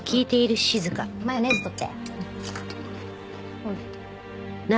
マヨネーズ取って。